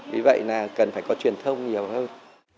vì vậy là cần phải có truyền thông nhiều hơn